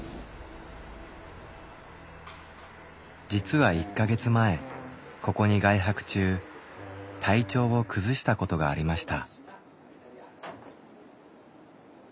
実は１か月前ここに外泊中体調を崩したことがありました。